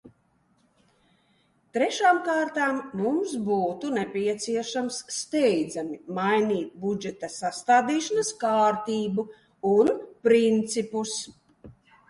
Trešām kārtām mums būtu nepieciešams steidzami mainīt budžeta sastādīšanas kārtību un principus.